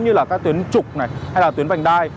như là các tuyến trục này hay là tuyến vành đai